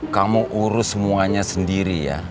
kamu urus semuanya sendiri ya